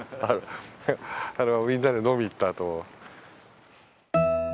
みんなで飲みに行ったあと。